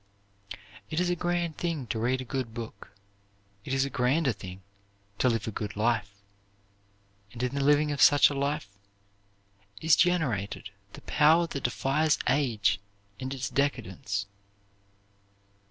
"It is a grand thing to read a good book it is a grander thing to live a good life and in the living of such life is generated the power that defies age and its decadence."